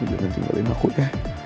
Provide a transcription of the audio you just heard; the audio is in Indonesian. kamu jangan tinggalin aku ya